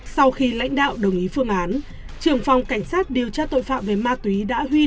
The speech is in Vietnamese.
sau khi lãnh đạo đồng ý phương án trưởng phòng cảnh sát điều tra tội phạm về ma túy đã huy